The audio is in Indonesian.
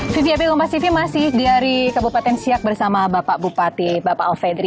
pvip kompas tv masih di hari kebupaten siak bersama bapak bupati bapak alfedri